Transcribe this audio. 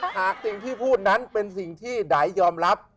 หากสิ่งที่พูดนั้นเป็นสิ่งที่ไดยอมรับ